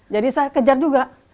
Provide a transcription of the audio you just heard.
jadi saya kejar juga